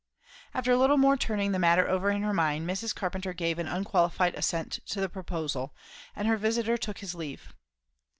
After a little more turning the matter over in her mind, Mrs. Carpenter gave an unqualified assent to the proposal; and her visiter took his leave.